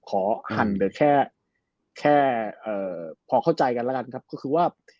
หั่นเหลือแค่แค่พอเข้าใจกันแล้วกันครับก็คือว่า